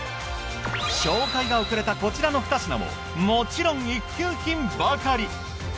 紹介が遅れたこちらの２品ももちろん一級品ばかり。